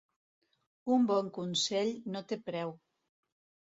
Un bon consell no té preu.